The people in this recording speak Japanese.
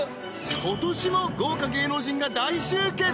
今年も豪華芸能人が大集結！